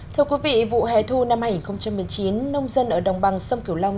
thưa quý vị vụ hè thu năm hai nghìn một mươi chín nông dân ở đồng bằng sông kiều long